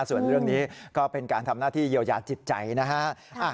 ส่วนเรื่องนี้ก็เป็นการทำหน้าที่เยียวยาจิตใจนะฮะ